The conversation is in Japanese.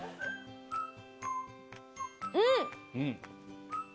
うん！